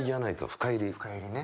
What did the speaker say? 深煎りね。